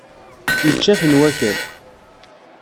Yečča-ten wakal.